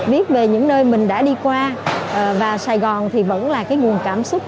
viết về những nơi mình đã đi qua và sài gòn thì vẫn là cái nguồn cảm xúc